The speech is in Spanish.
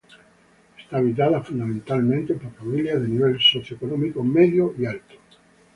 Está habitada fundamentalmente por familias de nivel socio-económico medio alto y alto.